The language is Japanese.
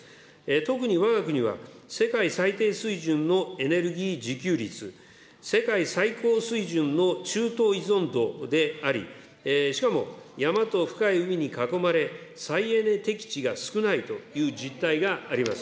特にわが国は世界最低水準のエネルギー需給率、世界最高水準の中東依存度であり、しかも山と深い海に囲まれ、再エネ適地が少ないという実態があります。